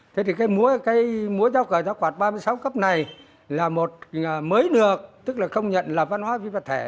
thế thì cái múa giáo cờ giáo quạt ba mươi sáu cấp này là một mới lược tức là không nhận là văn hóa viên vật thể